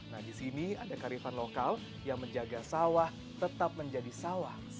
nah di sini ada karifan lokal yang menjaga sawah tetap menjadi sawah